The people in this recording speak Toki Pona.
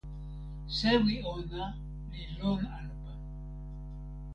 sewi ona li lon anpa!